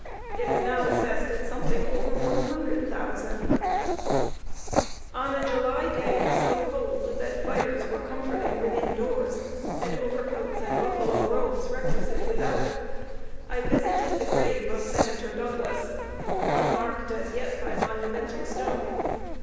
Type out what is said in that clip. It is now assessed at something over one hundred thousand. [Sidenote: VISIT TO THE GRAVE OF DOUGLAS.] On a July day, so cold that fires were comforting within doors, and overcoats and buffalo robes requisite without, I visited the grave of Senator Douglas, unmarked as yet by monumental stone.